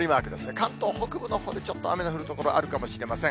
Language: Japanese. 関東北部のほうでちょっと雨が降る所、あるかもしれません。